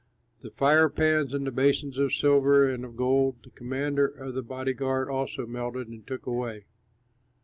The fire pans and the basins of silver and of gold, the commander of the body guard also melted and took away.